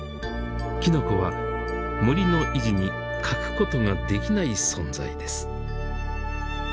きのこは森の維持に欠くことができない存在です。